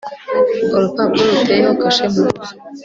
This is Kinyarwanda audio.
urupapuro ruteyeho kashe mpuruza